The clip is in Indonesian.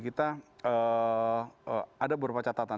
kita ada beberapa catatan